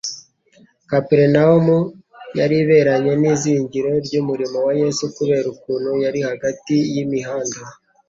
Kaperinaumu yari iberanye n'izingiro ry'umurimo wa Yesu kubera ukuntu yari hagati y'imihanda